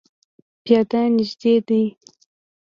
پیاده نږدې دی